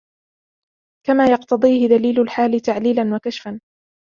كَمَا يَقْتَضِيهِ دَلِيلُ الْحَالِ تَعْلِيلًا وَكَشْفًا